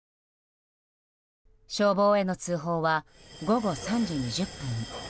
消防への通報は午後３時２０分。